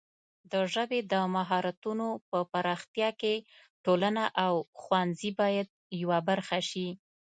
د ژبې د مهارتونو پر پراختیا کې ټولنه او ښوونځي باید یوه برخه شي.